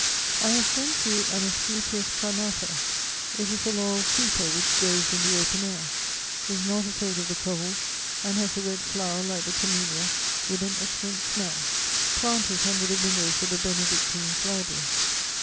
"'I have sent you an asclepias carnata; it is a laurel creeper which grows in the open air, is not afraid of the cold, and has a red flower like the camélia, with an excellent smell; plant it under the windows of the Benedictine's Library.